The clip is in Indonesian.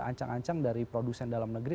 ancang ancang dari produsen dalam negeri